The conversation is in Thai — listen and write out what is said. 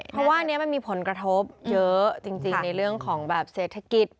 เพราะว่าอันนี้มันมีผลกระทบเยอะจริงในเรื่องของแบบเศรษฐกิจ